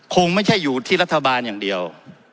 คงไม่ใช่อยู่ที่รัฐบาลอย่างเดียว